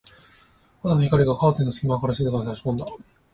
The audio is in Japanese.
朝の光がカーテンの隙間から静かに差し込んだ。